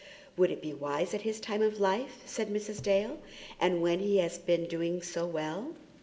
"Would it be wise at his time of life," said Mrs. Dale, "and when he has been doing so well?"